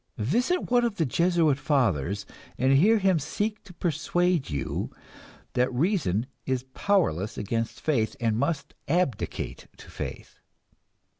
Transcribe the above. Visit one of the Jesuit fathers and hear him seek to persuade you that reason is powerless against faith and must abdicate to faith.